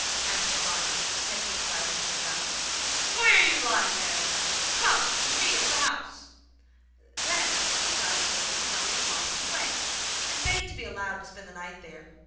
asked the farmer, catching sight of Little Klaus. 'Why are you lying there? Come with me into the house.' Then Little Klaus told him how he had lost his way, and begged to be allowed to spend the night there.